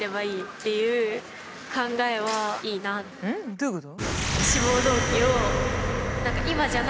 どういうこと？